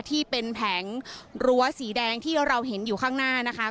ที่เป็นแผงรั้วสีแดงที่เราเห็นอยู่ข้างหน้านะคะ